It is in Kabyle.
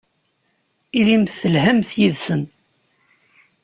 Ilimt telhamt yid-sen.